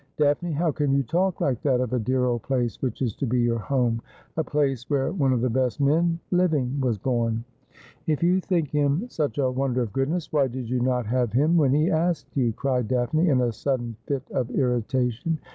' Daphne, how can you talk like that of a dear old place which is to be your home — a place where one of the best men living was born ?'' If you think him such a wonder of goodness, why did you not have him when he asked you?' cried Daphne, in a sudden fit of irritation.